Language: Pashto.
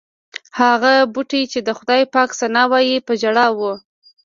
هغه بوټي چې د خدای پاک ثنا وایي په ژړا و.